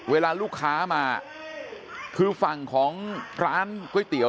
เวลาลูกค้ามาคือฝั่งของร้านก๋วยเตี๋ยว